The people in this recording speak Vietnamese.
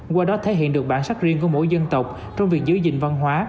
qua đó thể hiện được bản sắc riêng của mỗi dân tộc trong việc giữ gìn văn hóa